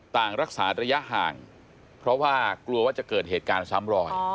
ต่างรักษาระยะห่างเพราะว่ากลัวว่าจะเกิดเหตุการณ์ซ้ำรอย